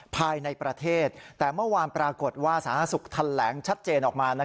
ภายในประเทศแต่เมื่อวานปรากฏว่าสาธารณสุขแถลงชัดเจนออกมา